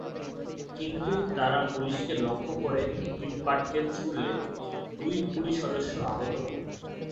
কিন্তু তাঁরা পুলিশকে লক্ষ্য করে ইটপাটকেল ছুড়লে দুই পুলিশ সদস্য আহত হন।